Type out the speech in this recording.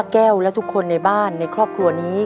แก้วและทุกคนในบ้านในครอบครัวนี้